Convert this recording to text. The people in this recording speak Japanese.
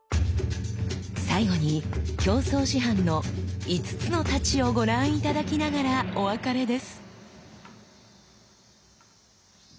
最後に京増師範の五津之太刀をご覧頂きながらお別れです。